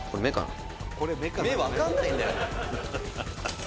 芽わかんないんだよ。